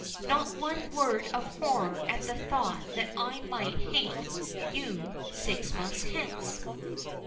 "Not one word of horror at the thought that I might hate you six months hence."